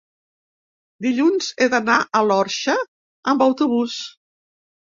Dilluns he d'anar a l'Orxa amb autobús.